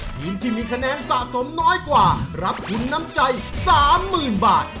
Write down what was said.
ทีมที่มีคะแนนสะสมน้อยกว่ารับทุนน้ำใจ๓๐๐๐บาท